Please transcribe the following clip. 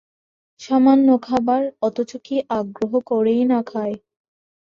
সামান্য খাবার, অথচ কী আগ্রহ করেই-না খায়!